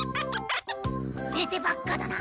寝てばっかだな。